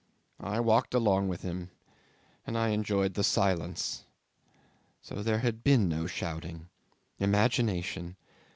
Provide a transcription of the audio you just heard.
I walked along with him, and I enjoyed the silence. So there had been no shouting. Imagination.